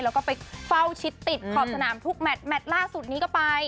แล้วก็ไปเฝ้าชิดติดขอบสนามทุกแมทแมทล่าสุดนี้ก็ไป